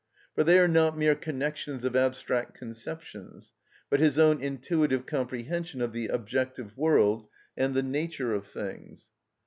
For they are not mere connections of abstract conceptions, but his own intuitive comprehension of the objective world and the nature of things.